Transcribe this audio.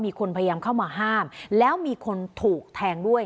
มีคนพยายามเข้ามาห้ามแล้วมีคนถูกแทงด้วย